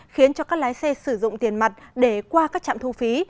khiến cho các lái xe sử dụng tiền mặt để qua các trạm thu phí